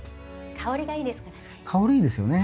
香りがいいですからね。